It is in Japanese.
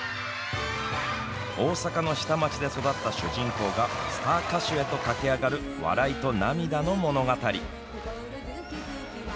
大阪の下町で育った主人公がスター歌手へと駆け上がる笑いと涙の物語。